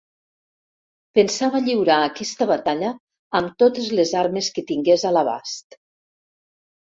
Pensava lliurar aquesta batalla amb totes les armes que tingués a l'abast.